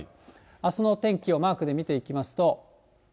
あすの天気をマークで見ていきますと。